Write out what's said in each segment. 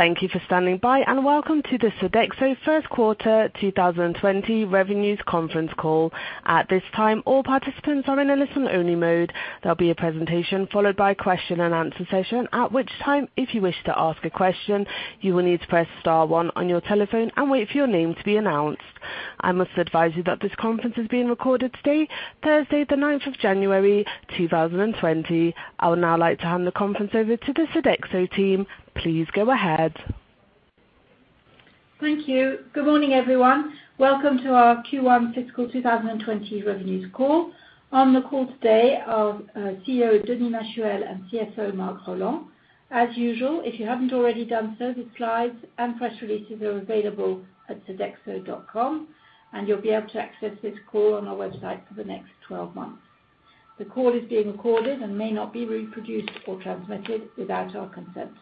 Good morning. Thank you for standing by, and welcome to the Sodexo First Quarter 2020 Revenues conference call. At this time, all participants are in a listen only mode. There will be a presentation followed by a question and answer session, at which time, if you wish to ask a question, you will need to press star one on your telephone and wait for your name to be announced. I must advise you that this conference is being recorded today, Thursday, the 9th of January, 2020. I would now like to hand the conference over to the Sodexo team. Please go ahead. Thank you. Good morning, everyone. Welcome to our Q1 fiscal 2020 revenues call. On the call today are CEO, Denis Machuel, and CFO, Marc Rolland. As usual, if you haven't already done so, the slides and press releases are available at sodexo.com, and you'll be able to access this call on our website for the next 12 months. The call is being recorded and may not be reproduced or transmitted without our consent.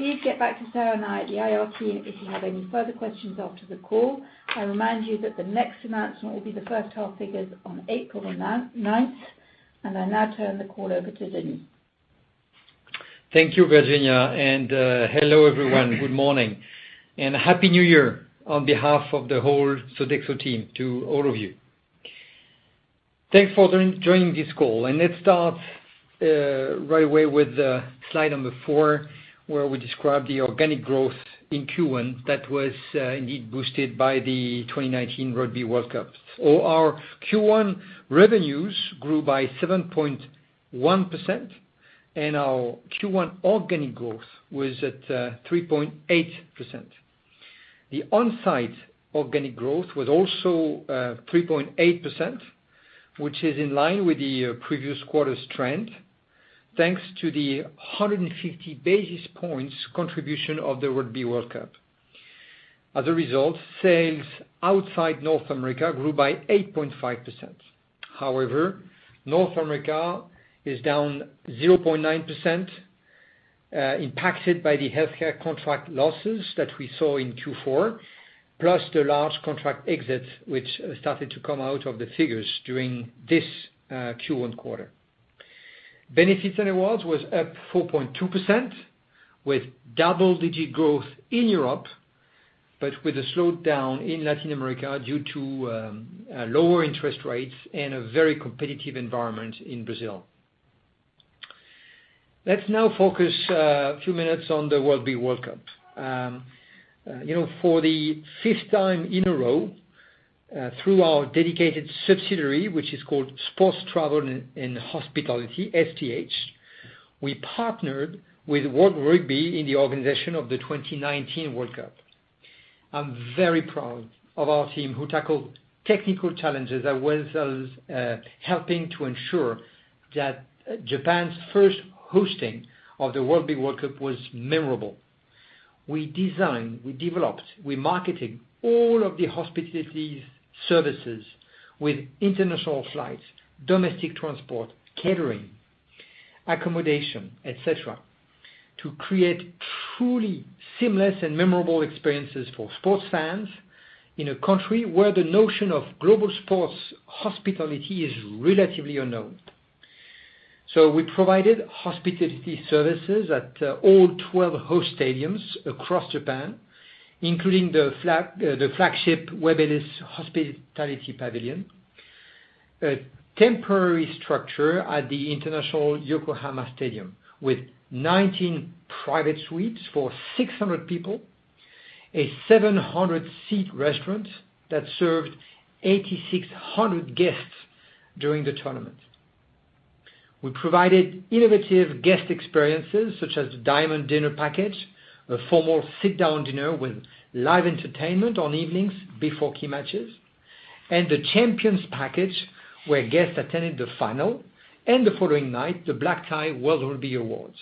Please get back to Sarah and I, the IR team, if you have any further questions after the call. I remind you that the next announcement will be the first half figures on April 9th. I now turn the call over to Denis. Thank you, Virginia. Hello everyone. Good morning, happy New Year on behalf of the whole Sodexo team to all of you. Thanks for joining this call. Let's start right away with slide number four, where we describe the organic growth in Q1 that was indeed boosted by the 2019 Rugby World Cup. All our Q1 revenues grew by 7.1%, our Q1 organic growth was at 3.8%. The on-site organic growth was also 3.8%, which is in line with the previous quarter's trend, thanks to the 150 basis points contribution of the Rugby World Cup. As a result, sales outside North America grew by 8.5%. However, North America is down 0.9%, impacted by the healthcare contract losses that we saw in Q4, plus the large contract exits, which started to come out of the figures during this Q1 quarter. Benefits and Rewards was up 4.2% with double-digit growth in Europe, but with a slowdown in Latin America due to lower interest rates and a very competitive environment in Brazil. Let's now focus a few minutes on the Rugby World Cup. For the fifth time in a row, through our dedicated subsidiary, which is called Sports Travel and Hospitality, STH, we partnered with World Rugby in the organization of the 2019 Rugby World Cup. I'm very proud of our team who tackled technical challenges, as well as helping to ensure that Japan's first hosting of the Rugby World Cup was memorable. We designed, we developed, we marketed all of the hospitality services with international flights, domestic transport, catering, accommodation, et cetera, to create truly seamless and memorable experiences for sports fans in a country where the notion of global sports hospitality is relatively unknown. We provided hospitality services at all 12 host stadiums across Japan, including the flagship Webb Ellis Hospitality Pavilion, a temporary structure at the International Stadium Yokohama with 19 private suites for 600 people, a 700-seat restaurant that served 8,600 guests during the tournament. We provided innovative guest experiences such as the Diamond Dinner Package, a formal sit-down dinner with live entertainment on evenings before key matches, and the Champions Package, where guests attended the final and the following night, the black-tie World Rugby Awards.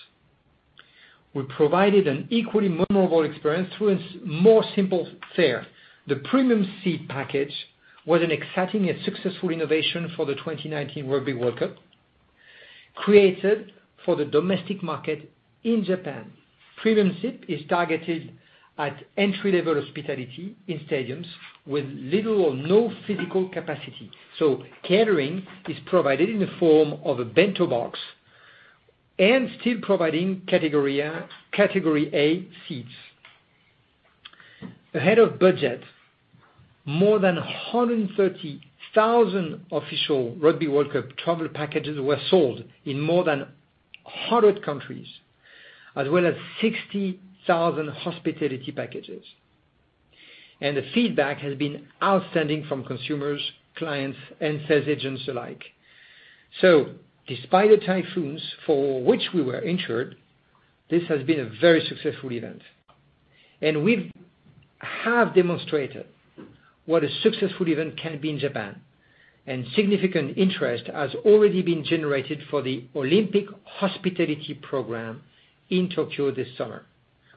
We provided an equally memorable experience through a more simple fare. The Premium Seat Package was an exciting and successful innovation for the 2019 Rugby World Cup, created for the domestic market in Japan. Premium Seat is targeted at entry-level hospitality in stadiums with little or no physical capacity. Catering is provided in the form of a bento box and still providing category A seats. Ahead of budget, more than 130,000 official Rugby World Cup travel packages were sold in more than 100 countries, as well as 60,000 hospitality packages. The feedback has been outstanding from consumers, clients, and sales agents alike. Despite the typhoons, for which we were insured, this has been a very successful event, and we have demonstrated what a successful event can be in Japan, and significant interest has already been generated for the Olympic hospitality program in Tokyo this summer,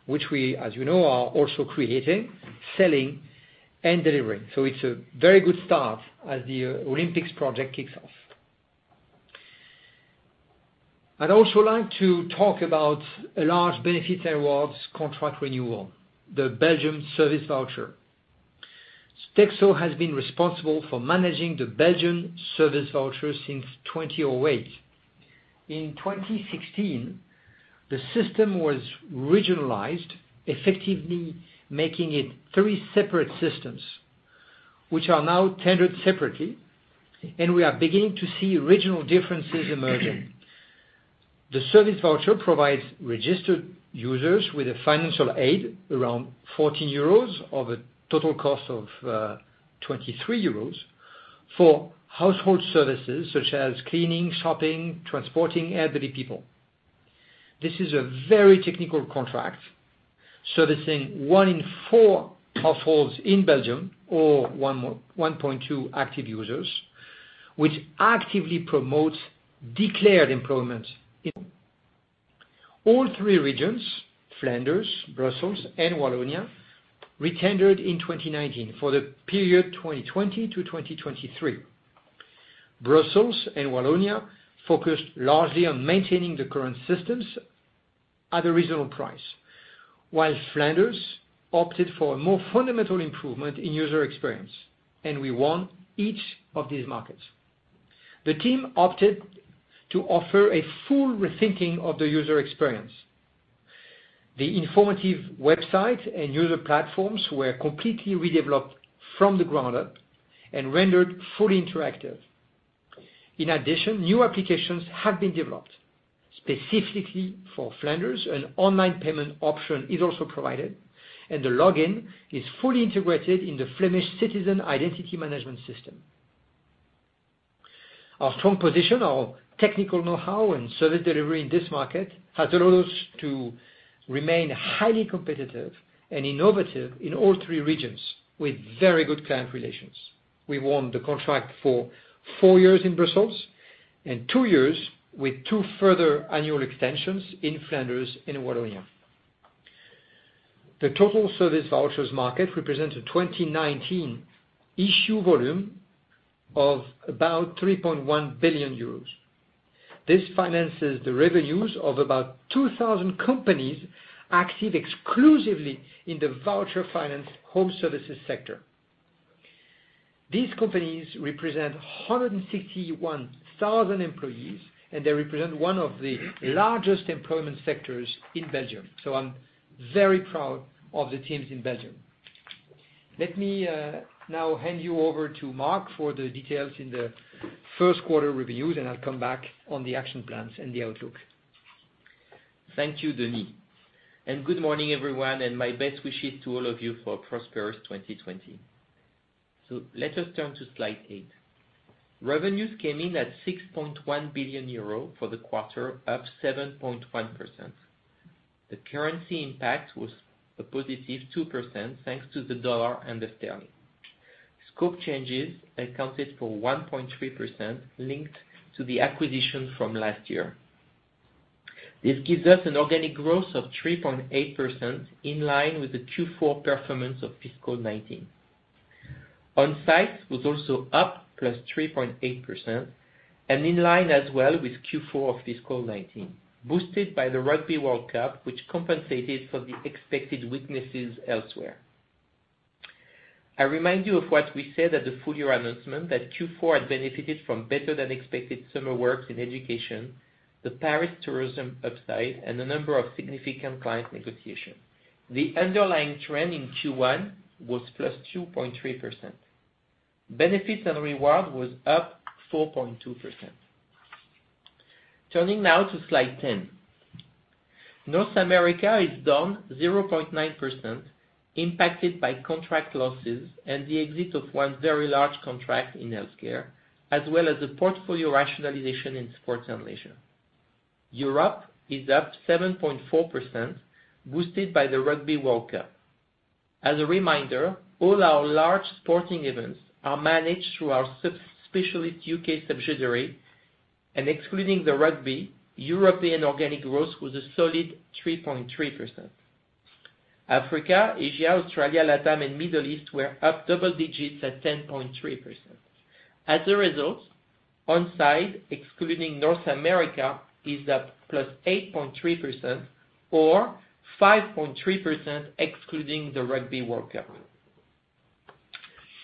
which we, as you know, are also creating, selling, and delivering. It's a very good start as the Olympics project kicks off. I'd also like to talk about a large benefits and rewards contract renewal, the Belgian service voucher. Sodexo has been responsible for managing the Belgian service voucher since 2008. In 2016, the system was regionalized, effectively making it three separate systems, which are now tendered separately. We are beginning to see regional differences emerging. The service voucher provides registered users with a financial aid, around 14 euros, of a total cost of 23 euros for household services such as cleaning, shopping, transporting elderly people. This is a very technical contract, servicing one in four households in Belgium, or 1.2 active users, which actively promotes declared employment in all three regions, Flanders, Brussels, and Wallonia, retendered in 2019 for the period 2020 to 2023. Brussels and Wallonia focused largely on maintaining the current systems at a reasonable price, while Flanders opted for a more fundamental improvement in user experience. We won each of these markets. The team opted to offer a full rethinking of the user experience. The informative website and user platforms were completely redeveloped from the ground up and rendered fully interactive. In addition, new applications have been developed. Specifically for Flanders, an online payment option is also provided, and the login is fully integrated in the Flemish citizen identity management system. Our strong position, our technical knowhow and service delivery in this market has allowed us to remain highly competitive and innovative in all three regions with very good client relations. We won the contract for 4 years in Brussels and 2 years with 2 further annual extensions in Flanders and Wallonia. The total service vouchers market represents a 2019 issue volume of about 3.1 billion euros. This finances the revenues of about 2,000 companies active exclusively in the voucher finance home services sector. These companies represent 161,000 employees, and they represent one of the largest employment sectors in Belgium. I'm very proud of the teams in Belgium. Let me now hand you over to Marc for the details in the first quarter reviews, and I'll come back on the action plans and the outlook. Thank you, Denis, and good morning, everyone, and my best wishes to all of you for a prosperous 2020. Let us turn to slide eight. Revenues came in at 6.1 billion euro for the quarter, up 7.1%. The currency impact was a positive 2% thanks to the dollar and the sterling. Scope changes accounted for 1.3% linked to the acquisition from last year. This gives us an organic growth of 3.8% in line with the Q4 performance of fiscal 2019. Onsite was also up +3.8% and in line as well with Q4 of fiscal 2019, boosted by the Rugby World Cup, which compensated for the expected weaknesses elsewhere. I remind you of what we said at the full year announcement that Q4 had benefited from better than expected summer works in education, the Paris tourism upside, and a number of significant client negotiations. The underlying trend in Q1 was +2.3%. Benefits and Rewards was up 4.2%. Turning now to slide 10. North America is down 0.9%, impacted by contract losses and the exit of one very large contract in healthcare, as well as the portfolio rationalization in sports and leisure. Europe is up 7.4%, boosted by the Rugby World Cup. As a reminder, all our large sporting events are managed through our specialist U.K. subsidiary, and excluding the rugby, European organic growth was a solid 3.3%. Africa, Asia, Australia, LATAM, and Middle East were up double digits at 10.3%. As a result, onsite, excluding North America, is up +8.3% or 5.3% excluding the Rugby World Cup.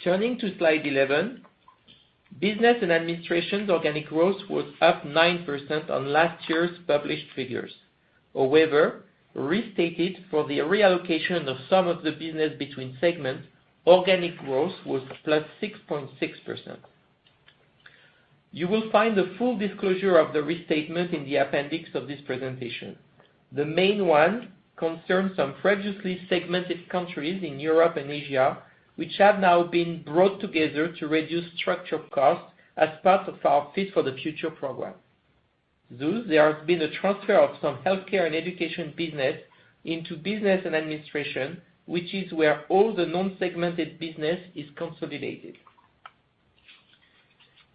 Turning to slide 11, Business and Administrations organic growth was up 9% on last year's published figures. However, restated for the reallocation of some of the business between segments, organic growth was +6.6%. You will find the full disclosure of the restatement in the appendix of this presentation. The main one concerns some previously segmented countries in Europe and Asia, which have now been brought together to reduce structural costs as part of our Fit for the Future program. There has been a transfer of some healthcare and education business into Business & Administrations, which is where all the non-segmented business is consolidated.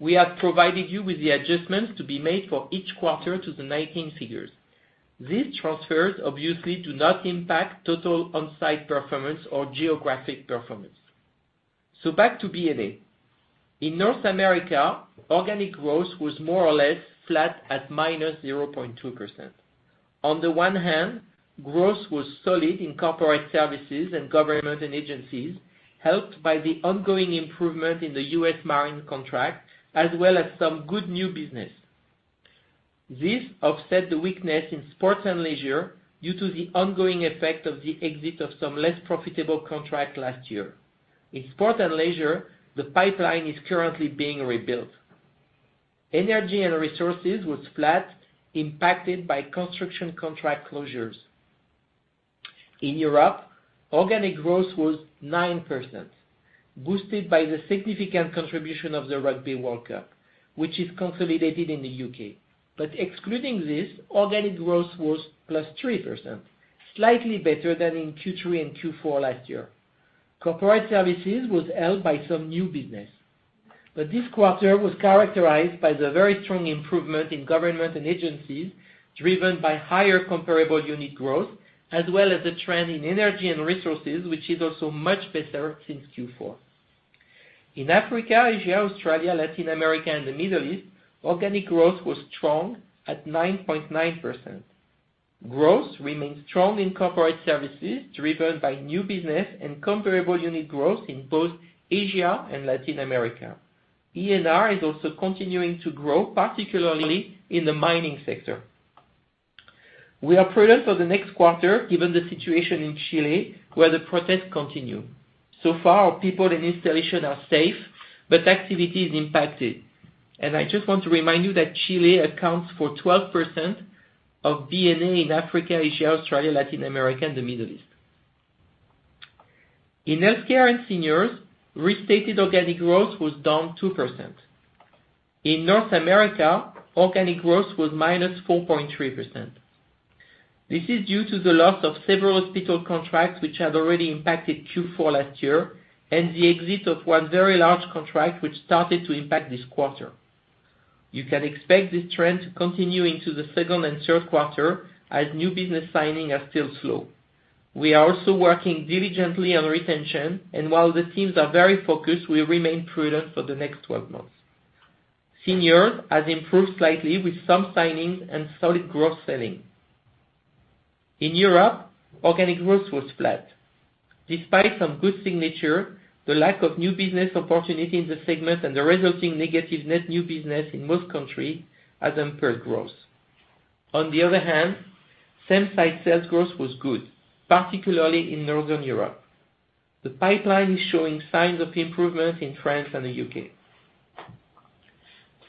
We have provided you with the adjustments to be made for each quarter to the 2019 figures. These transfers obviously do not impact total onsite performance or geographic performance. Back to B&A. In North America, organic growth was more or less flat at minus 0.2%. On the one hand, growth was solid in corporate services and government agencies, helped by the ongoing improvement in the U.S. Marines contract, as well as some good new business. This offset the weakness in sports and leisure due to the ongoing effect of the exit of some less profitable contracts last year. In sports and leisure, the pipeline is currently being rebuilt. Energy and Resources was flat, impacted by construction contract closures. In Europe, organic growth was 9%, boosted by the significant contribution of the Rugby World Cup, which is consolidated in the U.K. Excluding this, organic growth was plus 3%, slightly better than in Q3 and Q4 last year. Corporate Services was held by some new business. This quarter was characterized by the very strong improvement in Government and Agencies, driven by higher comparable unit growth, as well as the trend in Energy and Resources, which is also much better since Q4. In Africa, Asia, Australia, Latin America, and the Middle East, organic growth was strong at 9.9%. Growth remains strong in corporate services, driven by new business and comparable unit growth in both Asia and Latin America. E&R is also continuing to grow, particularly in the mining sector. We are prudent for the next quarter given the situation in Chile, where the protests continue. So far, people and installations are safe, but activity is impacted. I just want to remind you that Chile accounts for 18% of DNA in Africa, Asia, Australia, Latin America, and the Middle East. In healthcare and seniors, restated organic growth was down 2%. In North America, organic growth was minus 4.3%. This is due to the loss of several hospital contracts, which had already impacted Q4 last year, and the exit of one very large contract, which started to impact this quarter. You can expect this trend to continue into the second and third quarter, as new business signings are still slow. While the teams are very focused, we remain prudent for the next 12 months. Seniors has improved slightly with some signings and solid growth selling. In Europe, organic growth was flat. Despite some good signatures, the lack of new business opportunity in the segment and the resulting negative net new business in most countries has hampered growth. On the other hand, same-site sales growth was good, particularly in Northern Europe. The pipeline is showing signs of improvement in France and the U.K.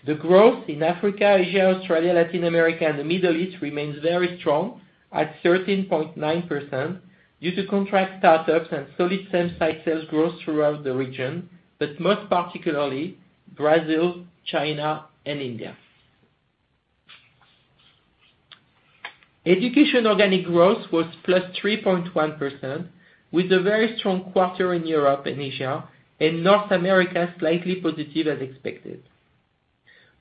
The growth in Africa, Asia, Australia, Latin America, and the Middle East remains very strong at 13.9% due to contract startups and solid same-site sales growth throughout the region, but most particularly Brazil, China, and India. Education organic growth was +3.1%, with a very strong quarter in Europe and Asia, and North America slightly positive as expected.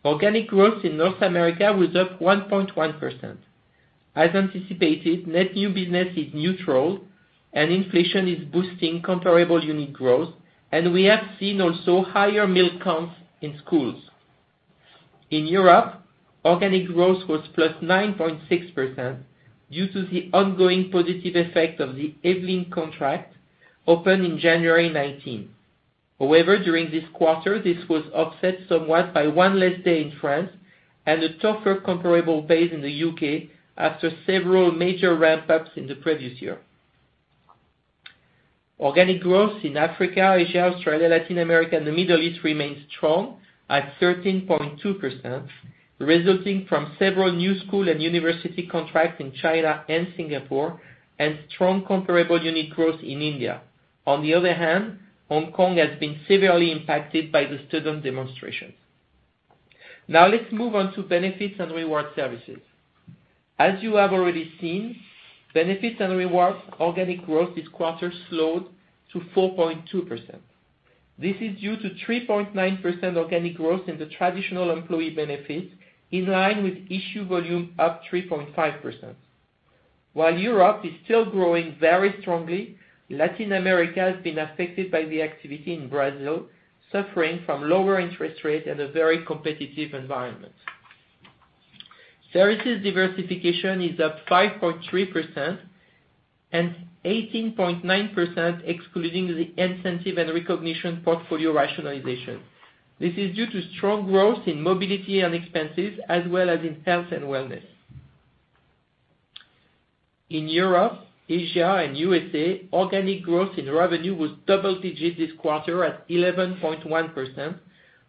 Organic growth in North America was up 1.1%. As anticipated, net new business is neutral and inflation is boosting comparable unit growth, and we have seen also higher meal counts in schools. In Europe, organic growth was +9.6% due to the ongoing positive effect of the Yvelines contract opened in January 2019. During this quarter, this was offset somewhat by one less day in France and a tougher comparable base in the U.K. after several major ramp-ups in the previous year. Organic growth in Africa, Asia, Australia, Latin America, and the Middle East remains strong at 13.2%, resulting from several new school and university contracts in China and Singapore and strong comparable unit growth in India. On the other hand, Hong Kong has been severely impacted by the student demonstrations. Let's move on to Benefits and Rewards Services. As you have already seen, Benefits and Rewards organic growth this quarter slowed to 4.2%. This is due to 3.9% organic growth in the traditional employee benefits, in line with issue volume up 3.5%. While Europe is still growing very strongly, Latin America has been affected by the activity in Brazil, suffering from lower interest rates and a very competitive environment. Services diversification is up 5.3% and 18.9% excluding the incentive and recognition portfolio rationalization. This is due to strong growth in mobility and expenses, as well as in health and wellness. In Europe, Asia, and U.S., organic growth in revenue was double digits this quarter at 11.1%,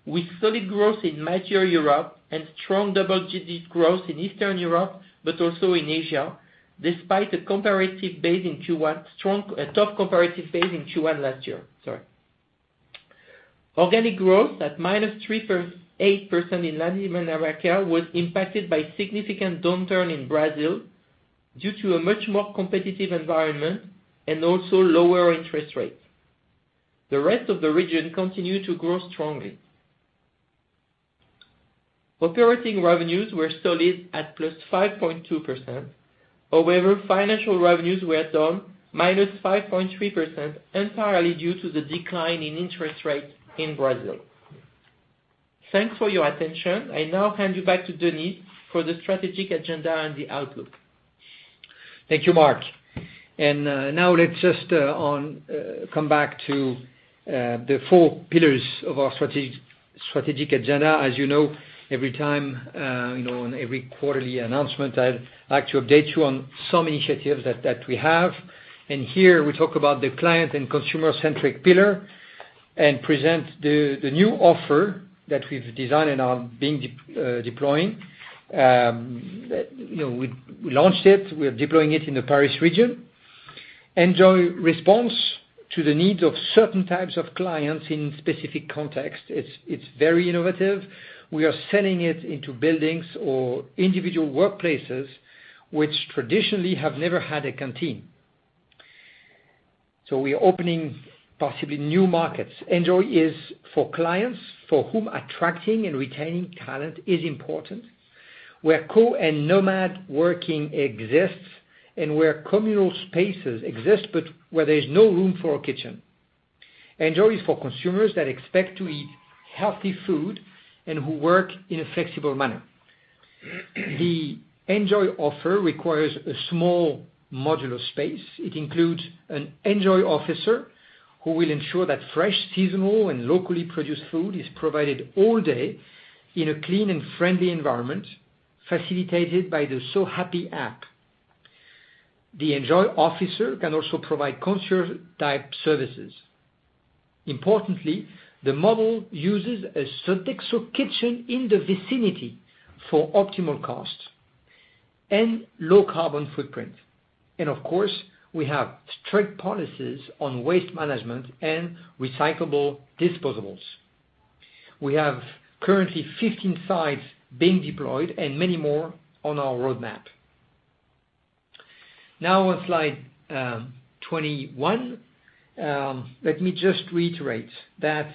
with solid growth in mature Europe and strong double-digit growth in Eastern Europe, but also in Asia despite a tough comparative phase in Q1 last year. Sorry. Organic growth at -3.8% in Latin America was impacted by a significant downturn in Brazil due to a much more competitive environment and also lower interest rates. The rest of the region continued to grow strongly. Operating revenues were solid at +5.2%, however financial revenues were down -5.3%, entirely due to the decline in interest rates in Brazil. Thanks for your attention. I now hand you back to Denis for the strategic agenda and the outlook. Thank you, Marc. Now let's just come back to the four pillars of our strategic agenda. As you know, every time on every quarterly announcement, I like to update you on some initiatives that we have. Here we talk about the client and consumer-centric pillar and present the new offer that we've designed and are deploying. We launched it, we are deploying it in the Paris region. Enjoy responds to the needs of certain types of clients in specific contexts. It's very innovative. We are selling it into buildings or individual workplaces, which traditionally have never had a canteen. We are opening possibly new markets. Enjoy is for clients for whom attracting and retaining talent is important, where co- and nomad working exists, and where communal spaces exist, but where there is no room for a kitchen. Enjoy is for consumers that expect to eat healthy food and who work in a flexible manner. The Enjoy offer requires a small modular space. It includes an Enjoy officer, who will ensure that fresh, seasonal, and locally produced food is provided all day in a clean and friendly environment, facilitated by the So Happy app. The Enjoy officer can also provide concierge-type services. Importantly, the model uses a Sodexo kitchen in the vicinity for optimal cost and low carbon footprint. Of course, we have strict policies on waste management and recyclable disposables. We have currently 15 sites being deployed and many more on our roadmap. Now on slide 21. Let me just reiterate that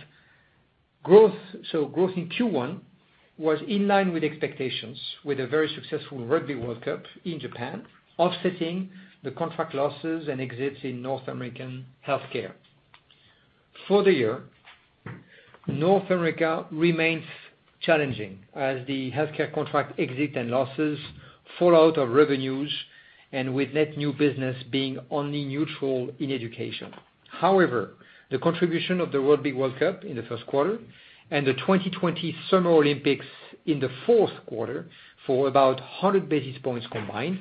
growth in Q1 was in line with expectations, with a very successful Rugby World Cup in Japan, offsetting the contract losses and exits in North American healthcare. For the year, North America remains challenging as the healthcare contract exit and losses fall out of revenues and with net new business being only neutral in education. However, the contribution of the Rugby World Cup in the first quarter and the 2020 Summer Olympics in the fourth quarter for about 100 basis points combined,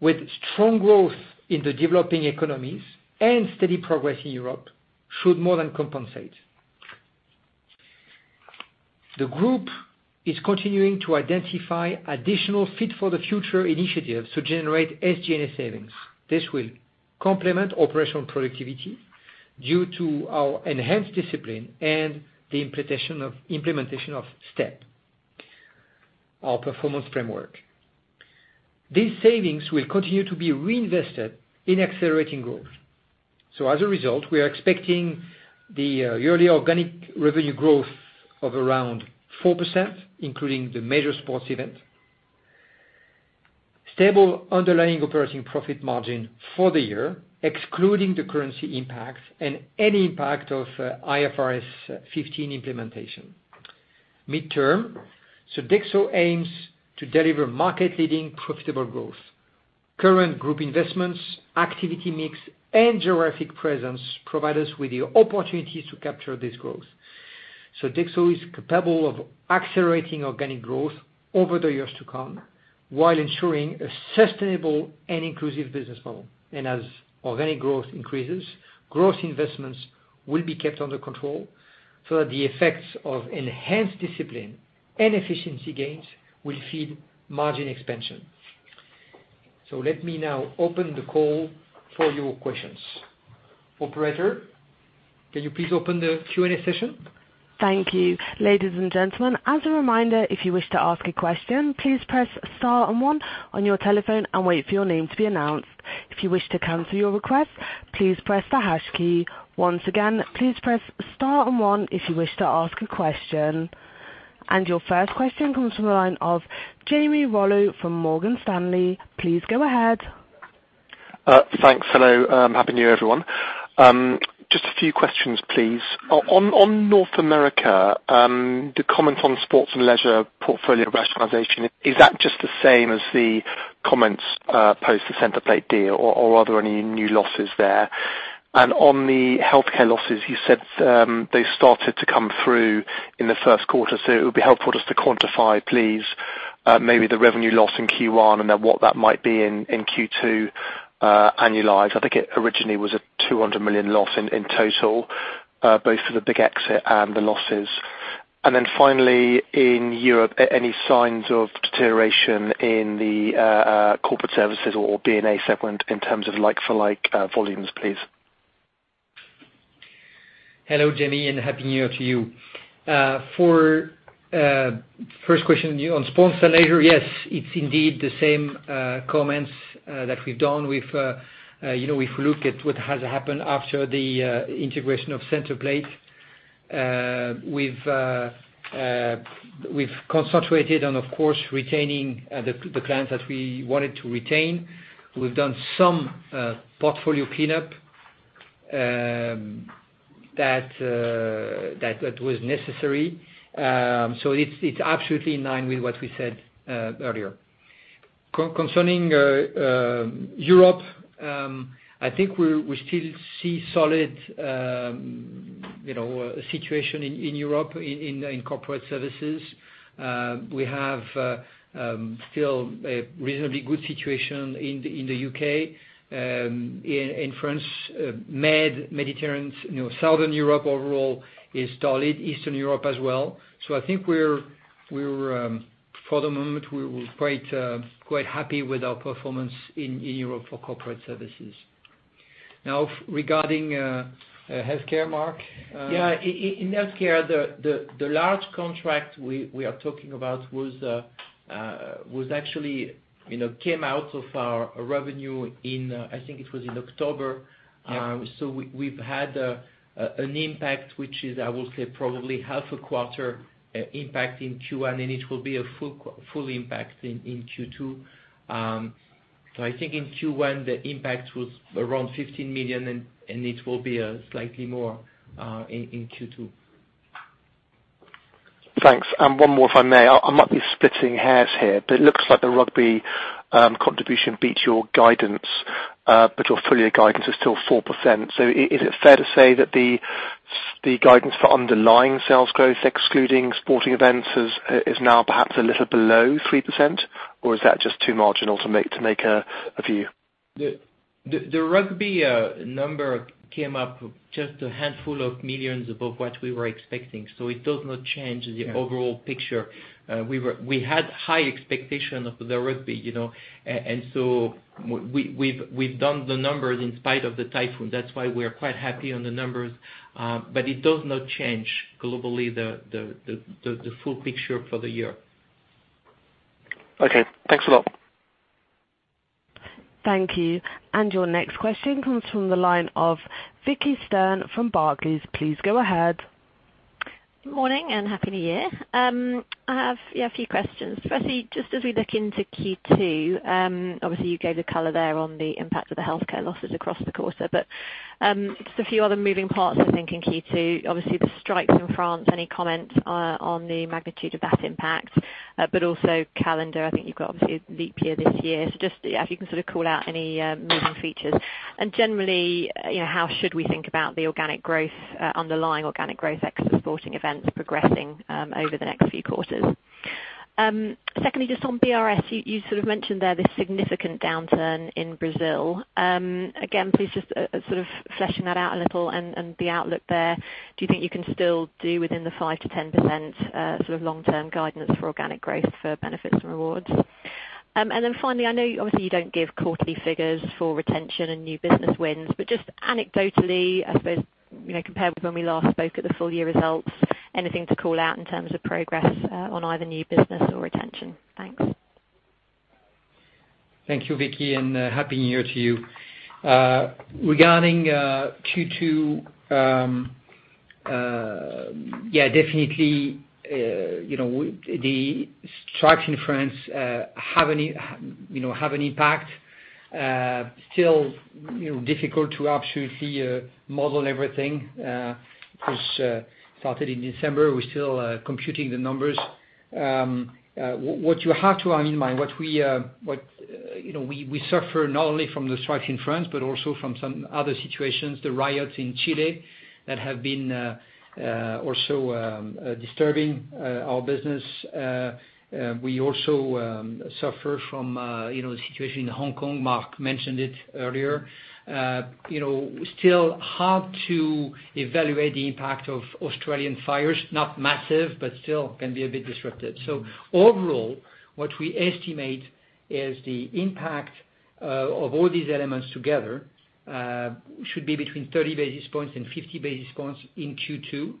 with strong growth in the developing economies and steady progress in Europe, should more than compensate. The group is continuing to identify additional Fit for the Future initiatives to generate SG&A savings. This will complement operational productivity due to our enhanced discipline and the implementation of STEP, our performance framework. These savings will continue to be reinvested in accelerating growth. As a result, we are expecting the yearly organic revenue growth of around 4%, including the major sports event. Stable underlying operating profit margin for the year, excluding the currency impacts and any impact of IFRS 15 implementation. Midterm, Sodexo aims to deliver market-leading profitable growth. Current group investments, activity mix, and geographic presence provide us with the opportunities to capture this growth. Sodexo is capable of accelerating organic growth over the years to come while ensuring a sustainable and inclusive business model. As organic growth increases, growth investments will be kept under control so that the effects of enhanced discipline and efficiency gains will feed margin expansion. Let me now open the call for your questions. Operator, can you please open the Q&A session? Thank you. Ladies and gentlemen, as a reminder, if you wish to ask a question, please press star one on your telephone and wait for your name to be announced. If you wish to cancel your request, please press the hash key. Once again, please press star one if you wish to ask a question. Your first question comes from the line of Jamie Rollo from Morgan Stanley. Please go ahead. Thanks. Hello. Happy New Year, everyone. Just a few questions, please. On North America, the comment on sports and leisure portfolio rationalization, is that just the same as the comments, post the Centerplate deal, or are there any new losses there? On the healthcare losses, you said they started to come through in the first quarter, so it would be helpful just to quantify, please, maybe the revenue loss in Q1 and then what that might be in Q2, annualized. I think it originally was a 200 million loss in total, both for the big exit and the losses. Finally, in Europe, any signs of deterioration in the corporate services or B&A segment in terms of like-for-like volumes, please? Hello, Jamie. Happy New Year to you. For first question, on sports and leisure, yes, it's indeed the same comments that we've done. We've looked at what has happened after the integration of Centerplate. We've concentrated on, of course, retaining the clients that we wanted to retain. We've done some portfolio cleanup that was necessary. It's absolutely in line with what we said earlier. Concerning Europe, I think we still see solid situation in Europe in corporate services. We have still a reasonably good situation in the U.K., in France. Mediterranean, Southern Europe overall is solid. Eastern Europe as well. I think for the moment, we're quite happy with our performance in Europe for corporate services. Now, regarding healthcare, Marc? Yeah. In healthcare, the large contract we are talking about actually came out of our revenue in, I think it was in October. Yeah. We've had an impact, which is, I will say, probably half a quarter impact in Q1, and it will be a full impact in Q2. I think in Q1, the impact was around 15 million, and it will be slightly more in Q2. Thanks. One more, if I may. I might be splitting hairs here, but it looks like the Rugby contribution beat your guidance. Your full-year guidance is still 4%. Is it fair to say that the guidance for underlying sales growth, excluding sporting events, is now perhaps a little below 3%? Is that just too marginal to make a view? The rugby number came up just a handful of millions above what we were expecting. It does not change the overall picture. Yeah. We had high expectation of the rugby. We've done the numbers in spite of the typhoon. That's why we're quite happy on the numbers. It does not change globally the full picture for the year. Okay. Thanks a lot. Thank you. Your next question comes from the line of Vicki Stern from Barclays. Please go ahead. Good morning, and happy New Year. I have a few questions. Firstly, just as we look into Q2, obviously, you gave the color there on the impact of the healthcare losses across the quarter, but just a few other moving parts, I think, in Q2. Obviously, the strikes in France. Any comment on the magnitude of that impact? Also calendar, I think you've got obviously a leap year this year. Just, if you can sort of call out any moving features. Generally, how should we think about the underlying organic growth, ex the sporting events progressing over the next few quarters? Secondly, just on BRS, you sort of mentioned there this significant downturn in Brazil. Again, please just sort of fleshing that out a little and the outlook there? Do you think you can still do within the 5%-10% sort of long-term guidance for organic growth for benefits and rewards? Finally, I know obviously you don't give quarterly figures for retention and new business wins, but just anecdotally, I suppose, compared with when we last spoke at the full year results, anything to call out in terms of progress on either new business or retention? Thanks. Thank you, Vicki, and happy New Year to you. Regarding Q2, definitely, the strikes in France have an impact. Still difficult to absolutely model everything because it started in December. We're still computing the numbers. What you have to have in mind, we suffer not only from the strikes in France, but also from some other situations, the riots in Chile that have been also disturbing our business. We also suffer from the situation in Hong Kong. Marc mentioned it earlier. Still hard to evaluate the impact of Australian fires. Not massive, but still can be a bit disruptive. Overall, what we estimate is the impact of all these elements together should be between 30 basis points and 50 basis points in Q2,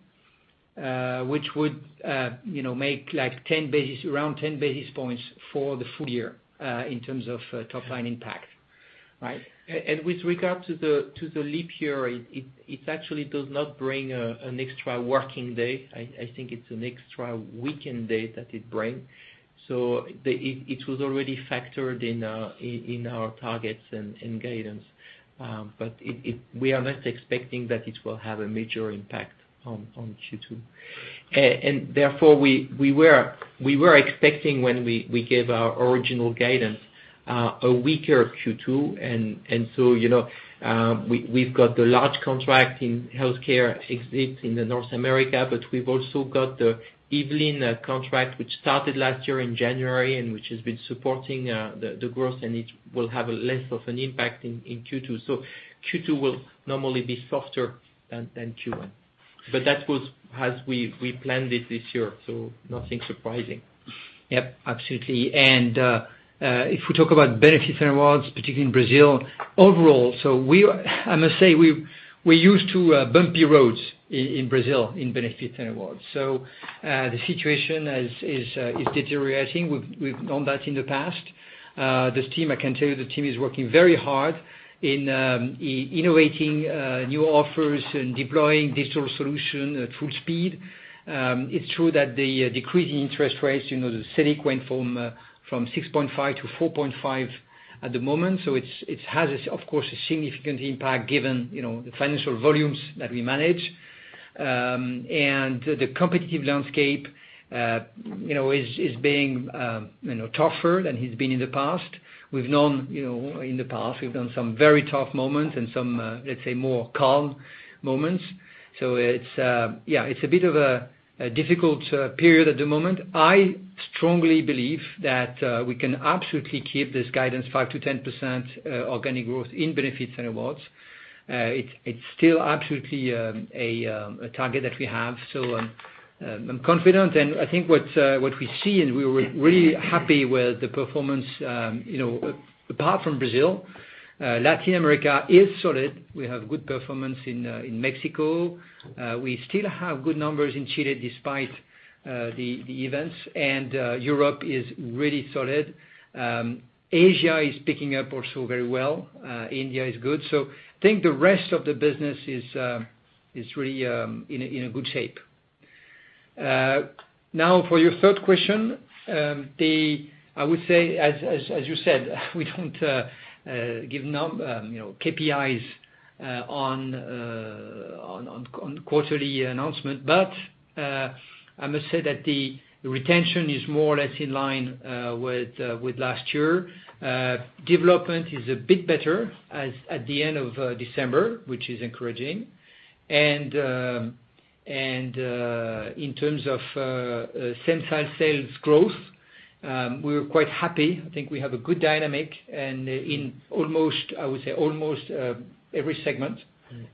which would make around 10 basis points for the full year in terms of top line impact. Right. With regard to the leap year, it actually does not bring an extra working day. I think it's an extra weekend day that it bring. It was already factored in our targets and guidance. We are not expecting that it will have a major impact on Q2. Therefore, we were expecting when we gave our original guidance, a weaker Q2, and so we've got the large contract in healthcare exit in North America, but we've also got the Yvelines contract, which started last year in January, and which has been supporting the growth, and it will have less of an impact in Q2. Q2 will normally be softer than Q1. That was as we planned it this year. Nothing surprising. Yep, absolutely. If we talk about benefits and rewards, particularly in Brazil, overall, I must say we're used to bumpy roads in Brazil in benefits and rewards. The situation is deteriorating. We've gone that in the past. This team, I can tell you the team is working very hard in innovating new offers and deploying digital solution at full speed. It's true that the decreasing interest rates, the Selic went from 6.5 to 4.5 at the moment. It has, of course, a significant impact given the financial volumes that we manage. The competitive landscape is being tougher than it's been in the past. We've known in the past, we've done some very tough moments and some, let's say, more calm moments. It's a bit of a difficult period at the moment. I strongly believe that we can absolutely keep this guidance 5% to 10% organic growth in benefits and rewards. It's still absolutely a target that we have. I'm confident. I think what we see, and we're really happy with the performance. Apart from Brazil, Latin America is solid. We have good performance in Mexico. We still have good numbers in Chile despite the events. Europe is really solid. Asia is picking up also very well. India is good. I think the rest of the business is really in a good shape. Now, for your third question, I would say, as you said, we don't give KPIs on quarterly announcement. I must say that the retention is more or less in line with last year. Development is a bit better as at the end of December, which is encouraging. In terms of same-site sales growth, we're quite happy. I think we have a good dynamic and in almost every segment.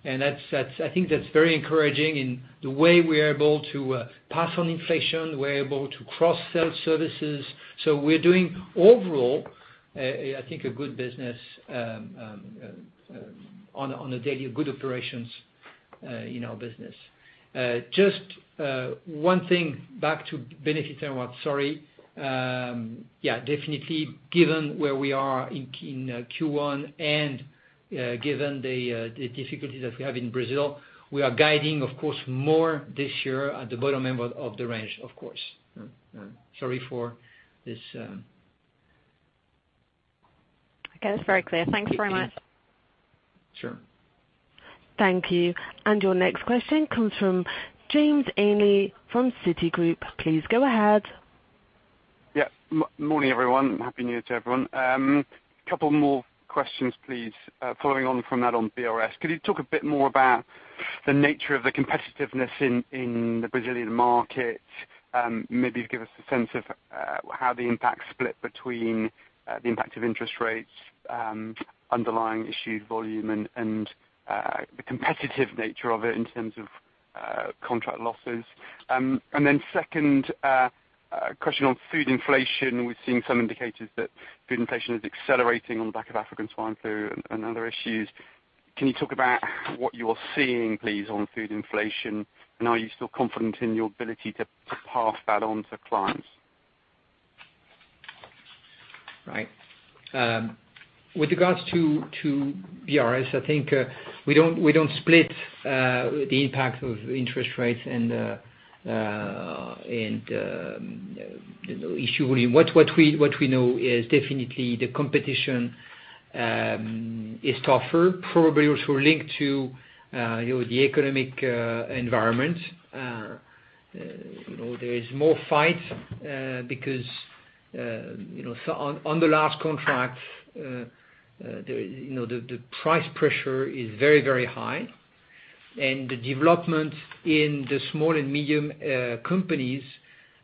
I think that's very encouraging in the way we are able to pass on inflation, we're able to cross-sell services. We're doing overall, I think, a good business on a daily good operations in our business. Just one thing back to Benefits and Rewards, sorry. Yeah, definitely, given where we are in Q1 and given the difficulties that we have in Brazil, we are guiding, of course, more this year at the bottom end of the range, of course. Sorry for this. Okay. It's very clear. Thanks very much. Sure. Thank you. Your next question comes from James Ainley from Citigroup. Please go ahead. Yeah. Morning, everyone. Happy New Year to everyone. Two more questions, please. Following on from that on BRS, could you talk a bit more about the nature of the competitiveness in the Brazilian market? Maybe give us a sense of how the impact split between the impact of interest rates, underlying issued volume and the competitive nature of it in terms of contract losses. Then second, a question on food inflation. We're seeing some indicators that food inflation is accelerating on the back of African swine flu and other issues. Can you talk about what you are seeing, please, on food inflation, and are you still confident in your ability to pass that on to clients? Right. With regards to BRS, I think, we don't split the impact of interest rates and issue volume. What we know is definitely the competition is tougher, probably also linked to the economic environment. There is more fight because on the last contract, the price pressure is very, very high, and the development in the small and medium companies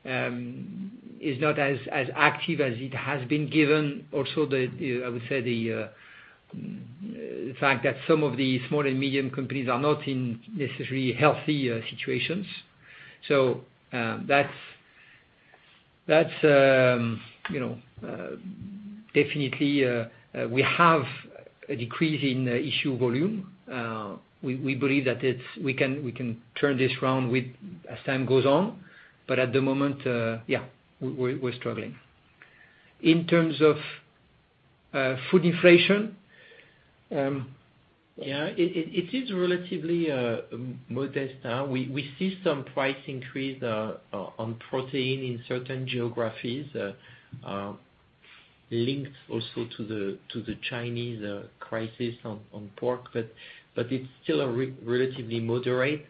is not as active as it has been given. I would say the fact that some of the small and medium companies are not in necessarily healthy situations. That's definitely, we have a decrease in issue volume. We believe that we can turn this around as time goes on. At the moment, yeah, we're struggling. In terms of food inflation, it is relatively modest now. We see some price increase on protein in certain geographies, linked also to the Chinese crisis on pork. It's still relatively moderate.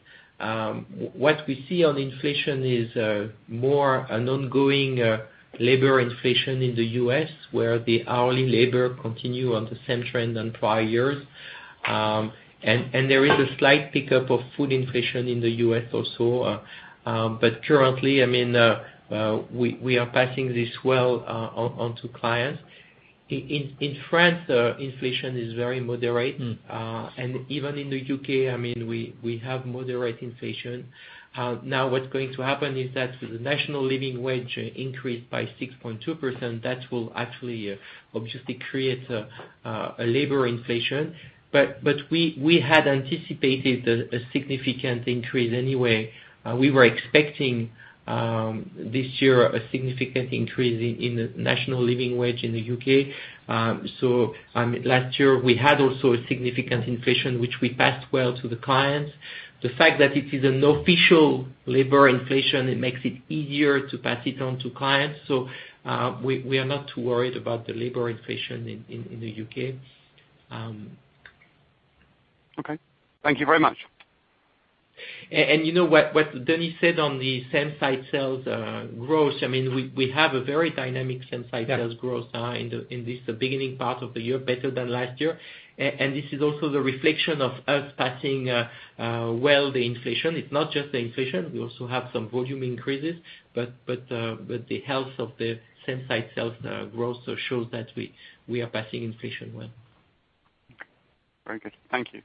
What we see on inflation is more an ongoing labor inflation in the U.S., where the hourly labor continue on the same trend on prior years. There is a slight pickup of food inflation in the U.S. also. Currently, we are passing this well onto clients. In France, inflation is very moderate. Even in the U.K., we have moderate inflation. Now, what's going to happen is that the National Living Wage increased by 6.2%, that will actually obviously create a labor inflation. We had anticipated a significant increase anyway. We were expecting, this year, a significant increase in the National Living Wage in the U.K. Last year we had also a significant inflation, which we passed well to the clients. The fact that it is an official labor inflation, it makes it easier to pass it on to clients. We are not too worried about the labor inflation in the U.K. Okay. Thank you very much. You know what Denis said on the same-site sales growth, we have a very dynamic same-site sales growth. Yeah in this beginning part of the year, better than last year. This is also the reflection of us passing well the inflation. It's not just the inflation. We also have some volume increases, but the health of the same-site sales growth shows that we are passing inflation well. Very good. Thank you.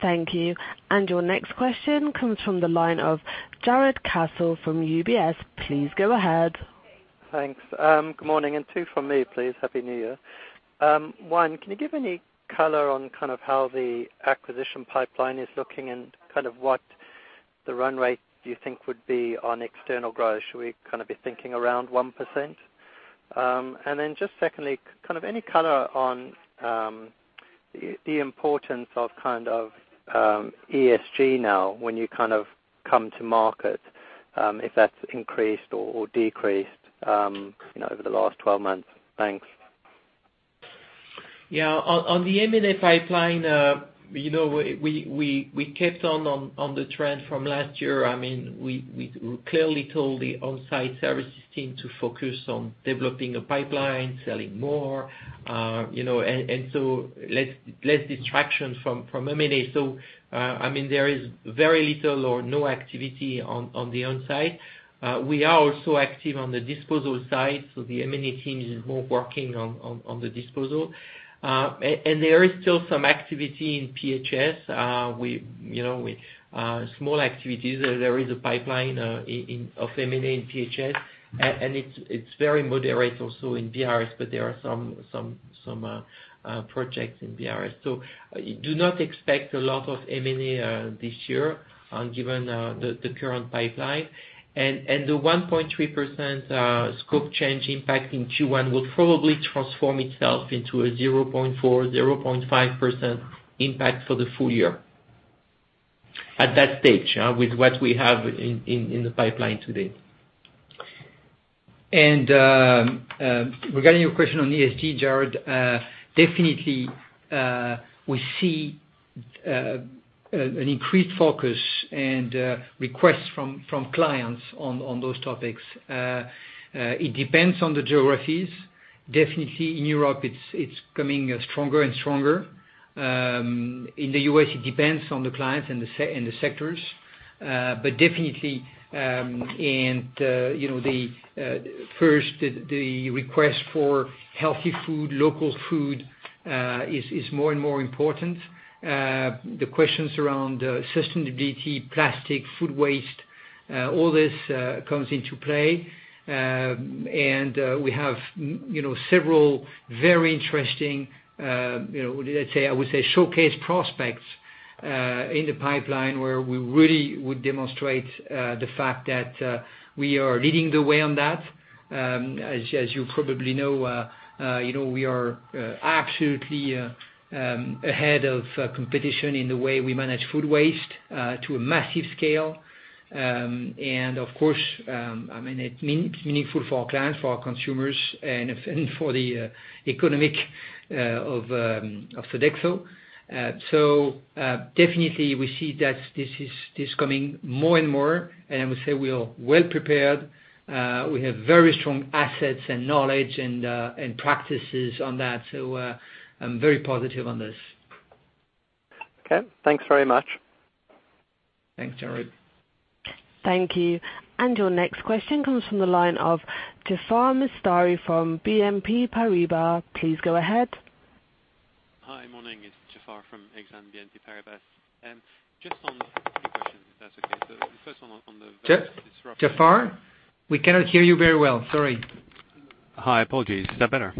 Thank you. Your next question comes from the line of Jarrod Castle from UBS. Please go ahead. Thanks. Good morning. Two from me, please. Happy New Year. One, can you give any color on how the acquisition pipeline is looking and what the run rate you think would be on external growth? Should we be thinking around 1%? Just secondly, any color on the importance of ESG now when you come to market, if that's increased or decreased over the last 12 months. Thanks. Yeah. On the M&A pipeline, we kept on the trend from last year. We clearly told the on-site services team to focus on developing a pipeline, selling more. Less distraction from M&A. There is very little or no activity on the on-site. We are also active on the disposal side, so the M&A team is more working on the disposal. There is still some activity in PHS. Small activities. There is a pipeline of M&A in PHS, and it's very moderate also in BRS, but there are some projects in BRS. Do not expect a lot of M&A this year, given the current pipeline. The 1.3% scope change impact in Q1 will probably transform itself into a 0.4%-0.5% impact for the full year at that stage with what we have in the pipeline today. Regarding your question on ESG, Jarrod, definitely we see an increased focus and requests from clients on those topics. It depends on the geographies. Definitely in Europe it's coming stronger and stronger. In the U.S., it depends on the clients and the sectors. Definitely, first the request for healthy food, local food, is more and more important. The questions around sustainability, plastic, food waste, all this comes into play. We have several very interesting, let's say, I would say showcase prospects in the pipeline where we really would demonstrate the fact that we are leading the way on that. As you probably know we are absolutely ahead of competition in the way we manage food waste to a massive scale. Of course, it's meaningful for our clients, for our consumers, and for the economic of Sodexo. Definitely we see that this is coming more and more, and I would say we are well prepared. We have very strong assets and knowledge and practices on that. I'm very positive on this. Okay. Thanks very much. Thanks, Jarrod. Thank you. Your next question comes from the line of Jaafar Mestari from Exane BNP Paribas. Please go ahead. Hi, morning. It's Jaafar from Exane BNP Paribas. Just on a few questions, if that's okay. The first one on the- Jaafar, we cannot hear you very well. Sorry. Hi, apologies. Is that better?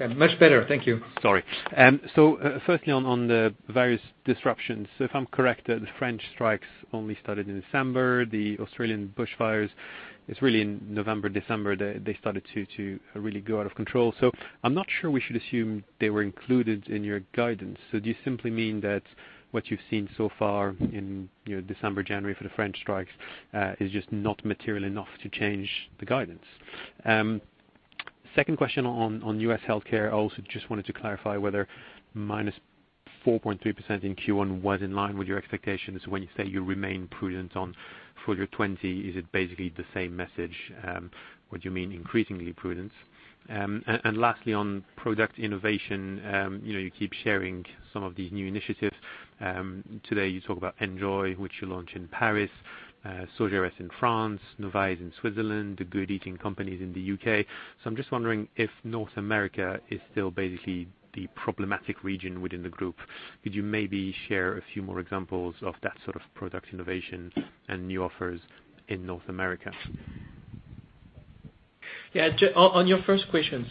Okay, much better. Thank you. Sorry. Firstly on the various disruptions. If I'm correct, the French strikes only started in December. The Australian bush fires, it's really in November, December, they started to really go out of control. I'm not sure we should assume they were included in your guidance. Do you simply mean that what you've seen so far in December, January for the French strikes, is just not material enough to change the guidance? Second question on U.S. healthcare. I also just wanted to clarify whether -4.3% in Q1 was in line with your expectations. When you say you remain prudent on full-year 2020, is it basically the same message? Would you mean increasingly prudent? Lastly, on product innovation. You keep sharing some of these new initiatives. Today you talk about Enjoy, which you launch in Paris, Sodexo in France, Novae in Switzerland, The Good Eating Company in the U.K. I'm just wondering if North America is still basically the problematic region within the group. Could you maybe share a few more examples of that sort of product innovation and new offers in North America? Yeah. On your first question,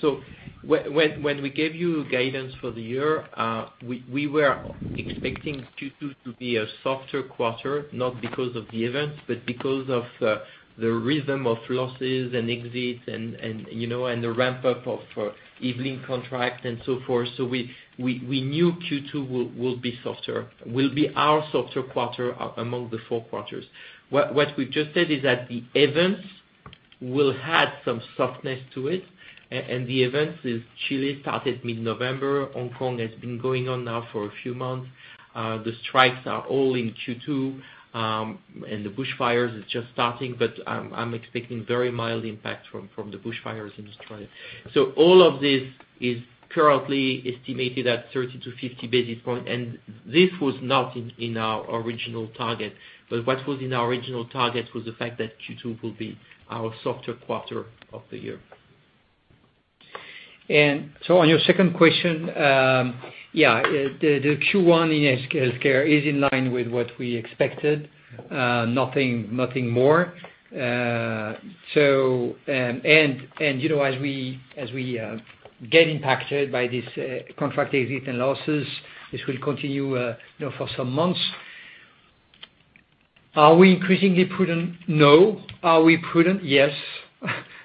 when we gave you guidance for the year, we were expecting Q2 to be a softer quarter, not because of the events, but because of the rhythm of losses and exits and the ramp-up of evening contract and so forth. We knew Q2 will be softer, will be our softer quarter among the four quarters. What we've just said is that the events Will add some softness to it. The events in Chile started mid-November. Hong Kong has been going on now for a few months. The strikes are all in Q2, and the bushfires are just starting, but I'm expecting very mild impact from the bushfires in Australia. All of this is currently estimated at 30 to 50 basis points, and this was not in our original target, but what was in our original target was the fact that Q2 will be our softer quarter of the year. On your second question, yeah, the Q1 in healthcare is in line with what we expected. Nothing more. As we get impacted by this contract exit and losses, this will continue for some months. Are we increasingly prudent? No. Are we prudent? Yes.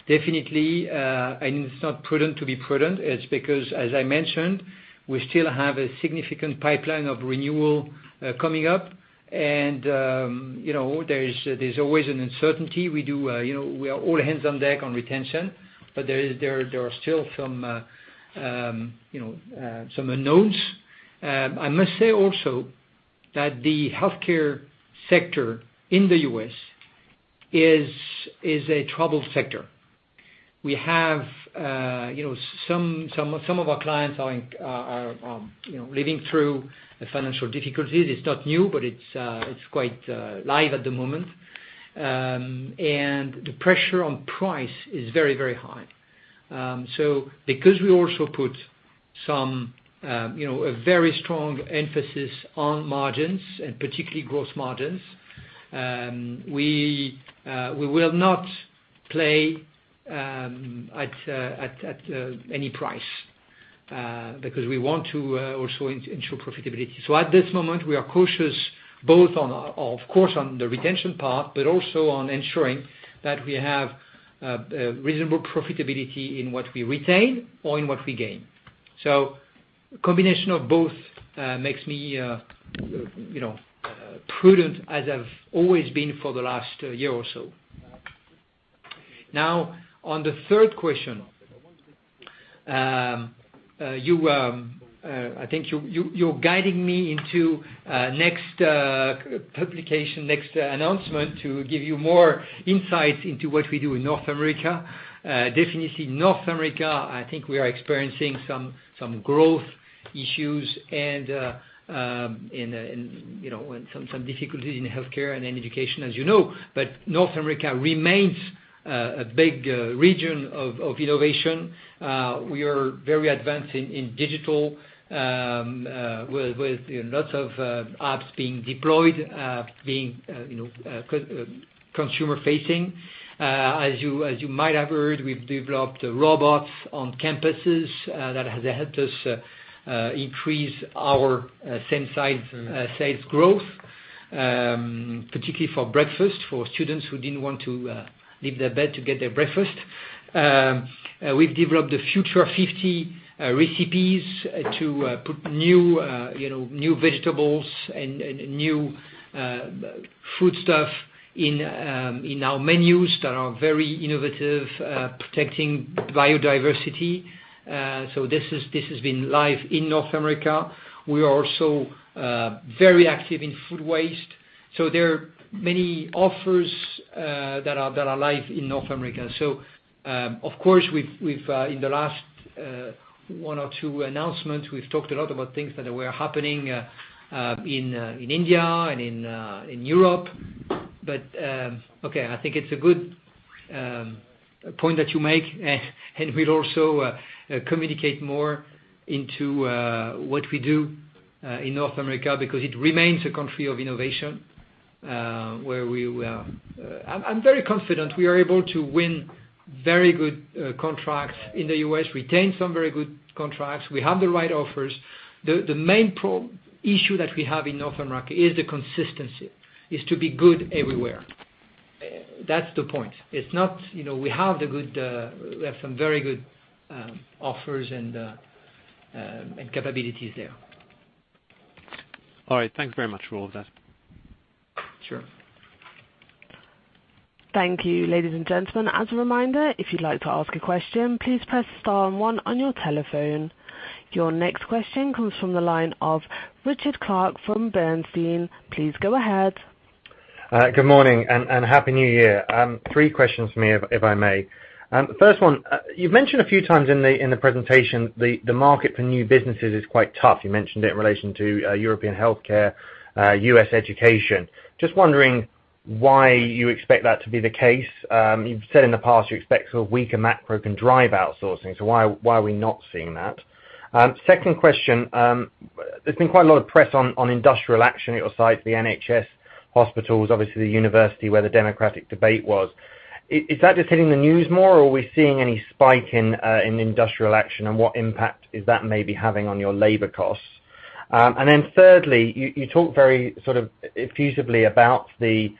Definitely. It's not prudent to be prudent. It's because, as I mentioned, we still have a significant pipeline of renewal coming up. There's always an uncertainty. We are all hands on deck on retention, but there are still some unknowns. I must say also that the healthcare sector in the U.S. is a troubled sector. Some of our clients are living through financial difficulties. It's not new, but it's quite live at the moment. The pressure on price is very high. Because we also put a very strong emphasis on margins and particularly gross margins, we will not play at any price, because we want to also ensure profitability. At this moment, we are cautious both on, of course, on the retention part, but also on ensuring that we have reasonable profitability in what we retain or in what we gain. Combination of both makes me prudent as I've always been for the last year or so. On the third question. I think you're guiding me into next publication, next announcement to give you more insights into what we do in North America. Definitely North America, I think we are experiencing some growth issues and some difficulty in healthcare and in education, as you know. North America remains a big region of innovation. We are very advanced in digital, with lots of apps being deployed, being consumer-facing. As you might have heard, we've developed robots on campuses that has helped us increase our same sales growth, particularly for breakfast, for students who didn't want to leave their bed to get their breakfast. We've developed a Future 50 Foods to put new vegetables and new foodstuff in our menus that are very innovative, protecting biodiversity. This has been live in North America. We are also very active in food waste. There are many offers that are live in North America. Of course, in the last one or two announcements, we've talked a lot about things that were happening in India and in Europe. Okay, I think it's a good point that you make and we'll also communicate more into what we do in North America because it remains a country of innovation. I'm very confident we are able to win very good contracts in the U.S., retain some very good contracts. We have the right offers. The main issue that we have in North America is the consistency, is to be good everywhere. That's the point. We have some very good offers and capabilities there. All right. Thank you very much for all of that. Sure. Thank you, ladies and gentlemen. As a reminder, if you'd like to ask a question, please press star and one on your telephone. Your next question comes from the line of Richard Clarke from Bernstein. Please go ahead. Good morning, and Happy New Year. three questions from me, if I may. The first one, you've mentioned a few times in the presentation, the market for new businesses is quite tough. You mentioned it in relation to European healthcare, U.S. education. Just wondering why you expect that to be the case. You've said in the past you expect sort of weaker macro can drive outsourcing. Why are we not seeing that? Second question. There's been quite a lot of press on industrial action at your site, the NHS hospitals, obviously the university where the Democratic debate was. Is that just hitting the news more, or are we seeing any spike in industrial action, and what impact is that maybe having on your labor costs? Thirdly, you talked very sort of effusively about the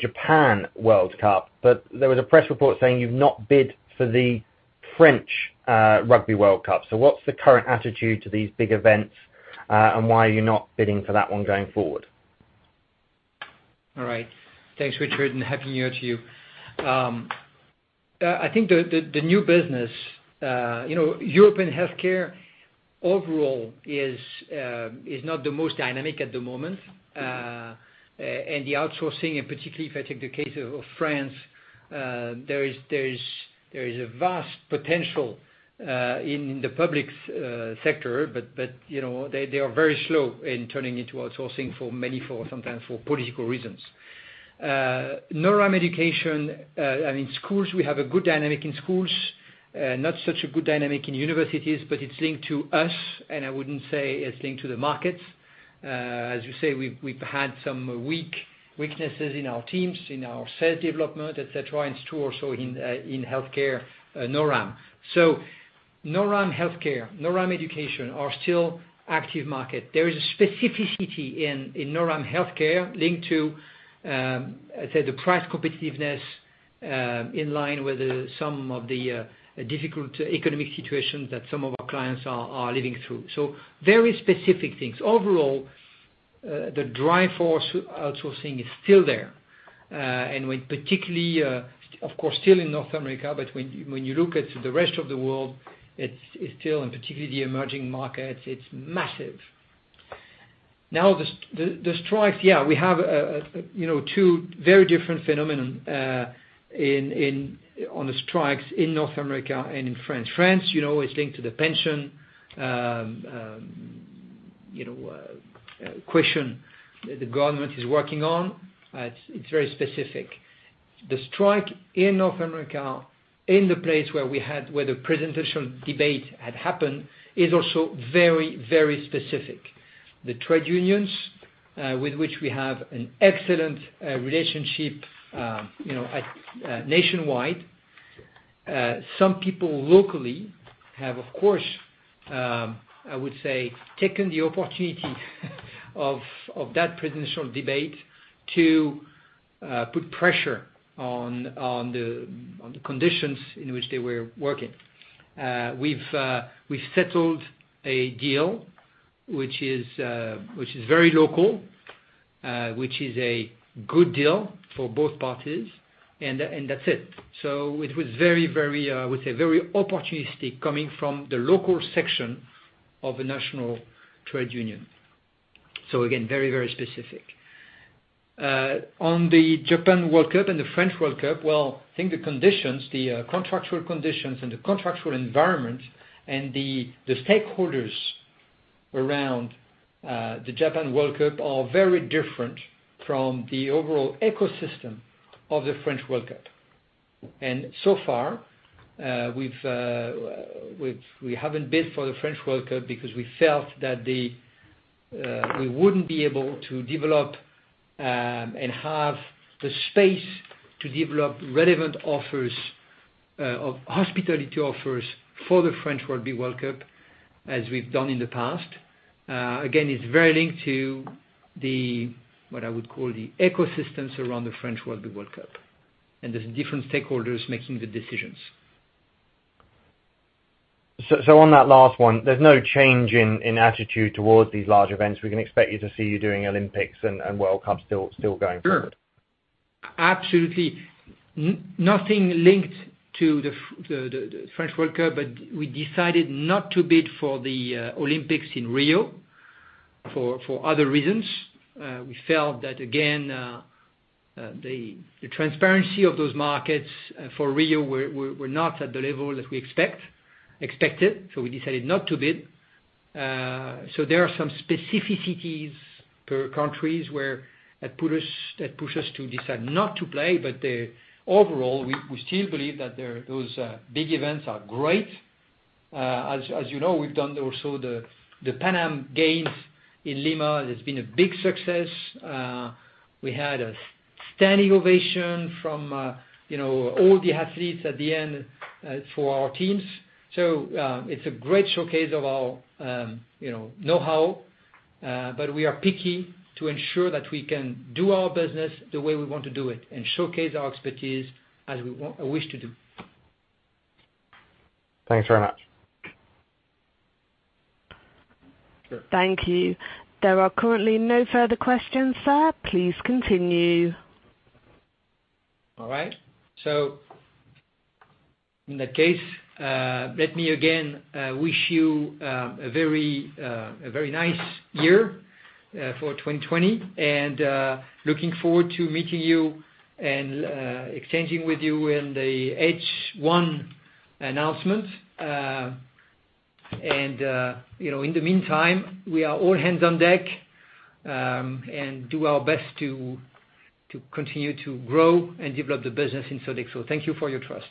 Japan World Cup, but there was a press report saying you've not bid for the French Rugby World Cup. What's the current attitude to these big events, and why are you not bidding for that one going forward? All right. Thanks, Richard. Happy New Year to you. I think the new business, European healthcare overall is not the most dynamic at the moment. The outsourcing, and particularly if I take the case of France, there is a vast potential in the public sector, but they are very slow in turning into outsourcing for many, sometimes for political reasons. NORAM Education, I mean, schools, we have a good dynamic in schools. Not such a good dynamic in universities, but it's linked to us, and I wouldn't say it's linked to the markets. As you say, we've had some weaknesses in our teams, in our sales development, et cetera, and two also in healthcare, NORAM. NORAM Healthcare, NORAM Education are still active market. There is a specificity in NORAM healthcare linked to, let's say, the price competitiveness, in line with some of the difficult economic situations that some of our clients are living through. Very specific things. Overall, the drive force outsourcing is still there. When particularly, of course, still in North America, but when you look at the rest of the world, it's still, and particularly the emerging markets, it's massive. The strikes, yeah, we have two very different phenomenon on the strikes in North America and in France. France, it's linked to the pension question that the government is working on. It's very specific. The strike in North America, in the place where the presidential debate had happened is also very specific. The trade unions, with which we have an excellent relationship nationwide. Some people locally have, of course, I would say, taken the opportunity of that presidential debate to put pressure on the conditions in which they were working. We've settled a deal, which is very local, which is a good deal for both parties, and that's it. It was very, I would say, very opportunistic coming from the local section of a national trade union. Again, very specific. On the Japan World Cup and the French World Cup, well, I think the conditions, the contractual conditions and the contractual environment and the stakeholders around the Japan World Cup are very different from the overall ecosystem of the French World Cup. So far, we haven't bid for the French World Cup because we felt that we wouldn't be able to develop and have the space to develop relevant offers of hospitality offers for the French Rugby World Cup, as we've done in the past. It's very linked to the, what I would call the ecosystems around the French Rugby World Cup. There's different stakeholders making the decisions. On that last one, there's no change in attitude towards these large events. We can expect to see you doing Olympics and World Cup still going forward. Sure. Absolutely. Nothing linked to the French World Cup, we decided not to bid for the Olympics in Rio for other reasons. We felt that, again, the transparency of those markets for Rio were not at the level that we expected, we decided not to bid. There are some specificities per countries that push us to decide not to play, but overall, we still believe that those big events are great. As you know, we've done also the Pan American Games in Lima. It has been a big success. We had a standing ovation from all the athletes at the end for our teams. It's a great showcase of our know-how, but we are picky to ensure that we can do our business the way we want to do it and showcase our expertise as we wish to do. Thanks very much. Sure. Thank you. There are currently no further questions, sir. Please continue. All right. In that case, let me again wish you a very nice year for 2020, and looking forward to meeting you and exchanging with you in the H1 announcement. In the meantime, we are all hands on deck, and do our best to continue to grow and develop the business in Sodexo. Thank you for your trust.